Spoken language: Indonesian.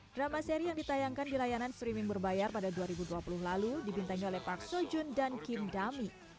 drama seri yang ditayangkan di layanan streaming berbayar pada dua ribu dua puluh lalu dibintangi oleh park so jun dan kim dami